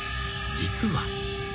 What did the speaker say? ［実は］